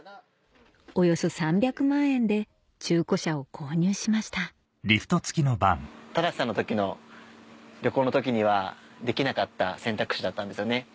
およそ３００万円で中古車を購入しました正さんの時の旅行の時にはできなかった選択肢だったんですよね。